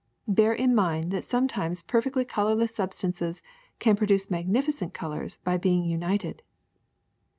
Bear in mind that sometimes perfectly colorless substances can produce magnificent colors by being united.